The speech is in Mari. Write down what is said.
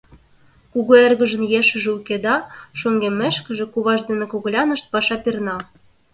Кугу эргыжын ешыже уке да, шоҥгеммешкыже, куваж дене когылянышт паша перна.